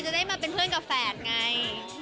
จะได้มาเป็นเพื่อนกับแฝดไง